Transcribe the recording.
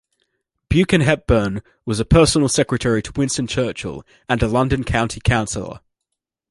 Buchan-Hepburn was a personal secretary to Winston Churchill and a London County Councillor.